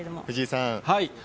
藤井さん。